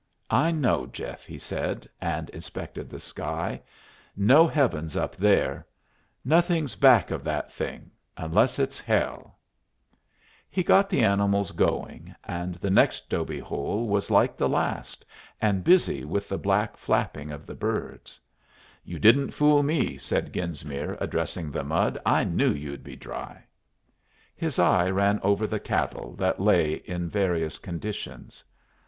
"I know, Jeff," he said, and inspected the sky. "No heaven's up there. Nothing's back of that thing, unless it's hell." [Illustration: "'YOU DON'T WANT TO TALK THIS WAY. YOU'RE ALONE'"] He got the animals going, and the next 'dobe hole was like the last, and busy with the black flapping of the birds. "You didn't fool me," said Genesmere, addressing the mud. "I knew you'd be dry." His eye ran over the cattle, that lay in various conditions.